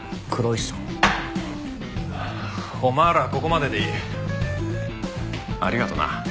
お前らはここまででいい。ありがとな。